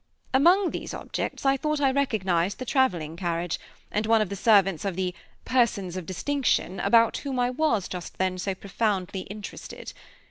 Among these objects, I thought I recognized the traveling carriage, and one of the servants of the "persons of distinction" about whom I was, just then, so profoundly interested.